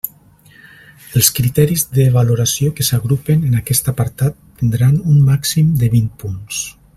Els criteris de valoració que s'agrupen en aquest apartat tindran un màxim de vint punts.